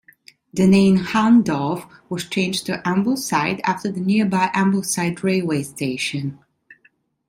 The name Hahndorf was changed to "Ambleside" after the nearby Ambleside railway station.